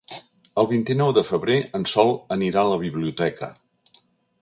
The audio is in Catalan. El vint-i-nou de febrer en Sol anirà a la biblioteca.